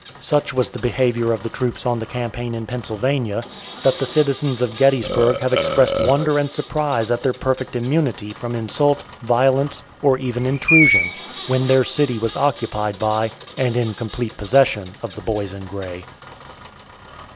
Such was the behavior of the troops on the campaign in Pennsylvania, that the citizens of Gettysburg have expressed wonder and surprise at their perfect immunity from insult, violence, or even intrusion, when their city was occupied by and in complete possession of the Boys in Gray.